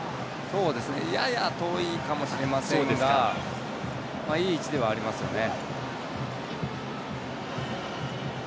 やや遠いかもしれませんがいい位置ではありますよね。